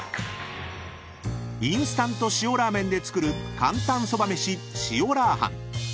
［インスタント塩ラーメンで作る簡単そばめし塩ラー飯］